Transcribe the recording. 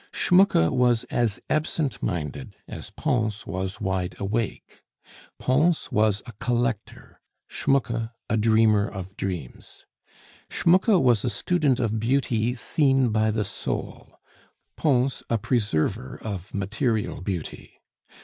Schmucke was as absent minded as Pons was wide awake. Pons was a collector, Schmucke a dreamer of dreams; Schmucke was a student of beauty seen by the soul, Pons a preserver of material beauty.